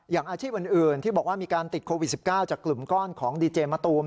อย่างอาชีพอื่นที่บอกว่ามีการติดโควิด๑๙จากกลุ่มก้อนของดีเจมะตูม